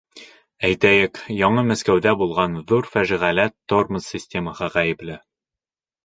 Әйтәйек, Яңы Мәскәүҙә булған ҙур фажиғәлә тормоз системаһы ғәйепле.